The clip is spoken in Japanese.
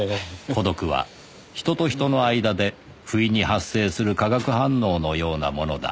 孤独は人と人の間で不意に発生する化学反応のようなものだ